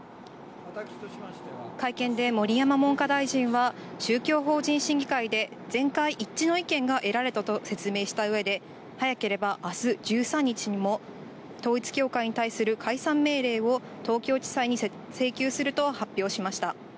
会見で盛山文科大臣は、宗教法人審議会で全会一致の意見が得られたと説明したうえで、早ければあす１３日にも統一教会に対する解散命令を、東京地裁に請求すると発表しました。